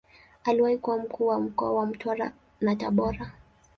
Aliwahi kuwa Mkuu wa mkoa wa Mtwara na Tabora.